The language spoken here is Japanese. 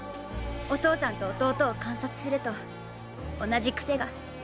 お父さんと弟を観察すると同じ癖が。